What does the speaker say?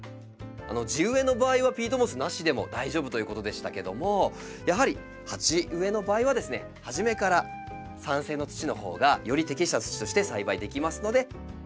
地植えの場合はピートモスなしでも大丈夫ということでしたけどもやはり鉢植えの場合はですね初めから酸性の土のほうがより適した土として栽培できますので。